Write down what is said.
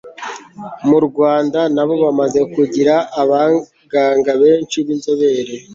mu rwanda nabo bamaze kugira abaganga benshi binzobere